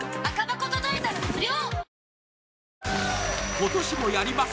今年もやります